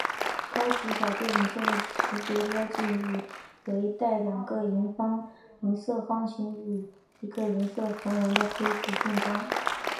高级小队领袖的识别标记为带两个银色方形与一条银色横纹的黑底襟章。